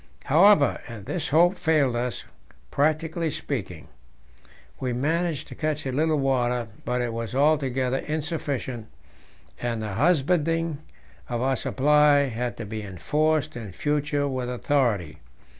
However, this hope failed us, practically speaking. We managed to catch a little water, but it was altogether insufficient, and the husbanding of our supply had to be enforced in future with authority.